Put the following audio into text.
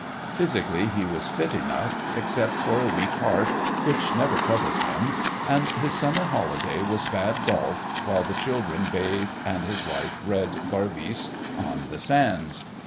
Physically, he was fit enough, except for a weak heart (which never troubled him); and his summer holiday was bad golf, while the children bathed and his wife read "Garvice" on the sands.